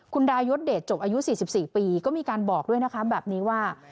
คุณดายศเดชจบอายุ๔๔ปีก็มีการบอกด้วยนะคะแบบนี้ว่า